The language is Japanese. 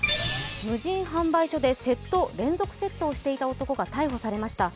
無人販売所で連続窃盗をしていた男が逮捕されました。